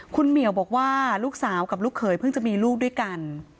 คุณเหมียวบอกว่าลูกสาวกับลูกเขยเพิ่งจะมีลูกด้วยกัน